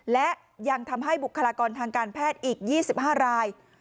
และยังทำให้บุคลากรทางการแพทย์อีก๒๕ราย